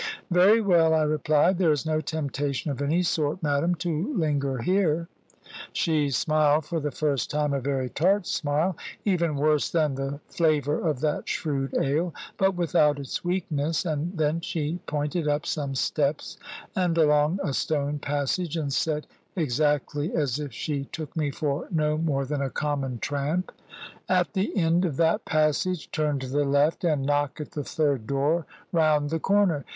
"Very well," I replied; "there is no temptation of any sort, madam, to linger here." She smiled, for the first time, a very tart smile, even worse than the flavour of that shrewd ale, but without its weakness. And then she pointed up some steps, and along a stone passage, and said, exactly as if she took me for no more than a common tramp "At the end of that passage turn to the left, and knock at the third door round the corner.